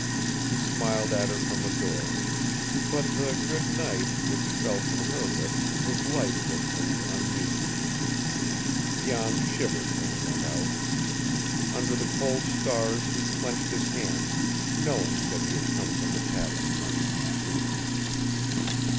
He smiled at her from the door, but the "Good night" which fell from her lips was lifeless and unmeaning. Jan shivered when he went out. Under the cold stars he clenched his hands, knowing that he had come from the cabin none too soon.